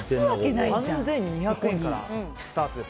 ３２００円からスタートです。